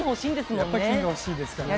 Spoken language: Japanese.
やっぱ金が欲しいですからね。